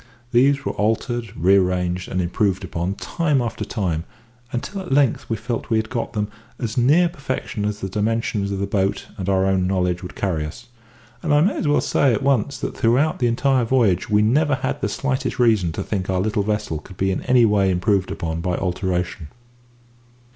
These were altered, rearranged, and improved upon time after time, until at length we felt we had got them as near perfection as the dimensions of the boat and our own knowledge would carry us. And I may as well say at once that throughout the entire voyage we never had the slightest reason to think our little vessel could be in any way improved upon by alteration.